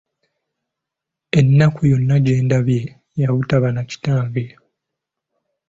Ennaku yonna gye ndabye ya butaba na kitange!